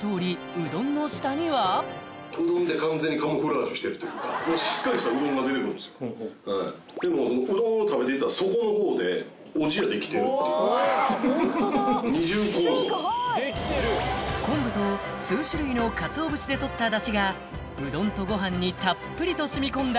うどんの下には昆布と数種類のかつお節でとったダシがうどんとご飯にたっぷりとしみ込んだ